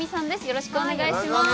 よろしくお願いします。